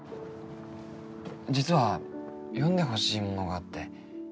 実は読んでほしいものがあって。